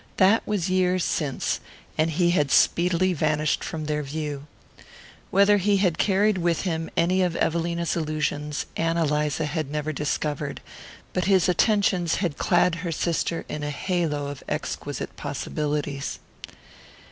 That was years since, and he had speedily vanished from their view. Whether he had carried with him any of Evelina's illusions, Ann Eliza had never discovered; but his attentions had clad her sister in a halo of exquisite possibilities.